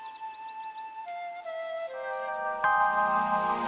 aku nggak peduli dengan mereka